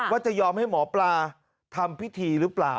ว่าจะยอมให้หมอปลาทำพิธีหรือเปล่า